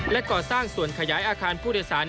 และก่อสร้างส่วนขยายอาคารผู้โดยสาร